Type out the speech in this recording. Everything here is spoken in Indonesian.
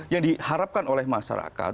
yang diharapkan oleh masyarakat